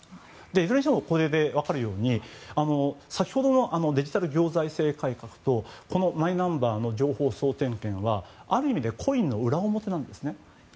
いずれにしてもこれで分かるように先ほどのデジタル行財政改革とこのマイナンバーの情報総点検はある意味でコインの裏表なんですね。